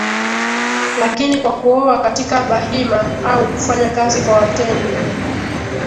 lakini kwa kuoa katika Bahima au kufanya kazi kwa Watemi